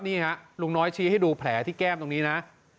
นี่ฮะลุงน้อยชี้ให้ดูแผลที่แก้มตรงนี้นะ